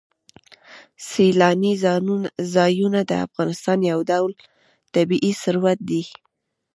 سیلاني ځایونه د افغانستان یو ډول طبعي ثروت دی.